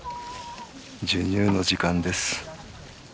授乳の時間です。